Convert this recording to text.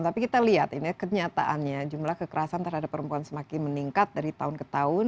tapi kita lihat ini kenyataannya jumlah kekerasan terhadap perempuan semakin meningkat dari tahun ke tahun